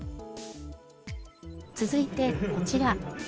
続いてこちら。